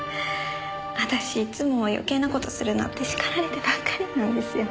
私いつも余計な事するなって叱られてばっかりなんですよ。